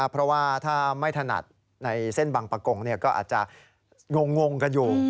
เพราะว่าถ้าไม่ถนัดในเส้นบังปะกงก็อาจจะงงกันอยู่